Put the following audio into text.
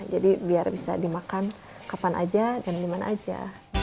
jadi biar bisa dimakan kapan aja dan dimana aja